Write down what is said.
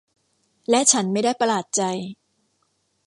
และฉันไม่ได้ประหลาดใจ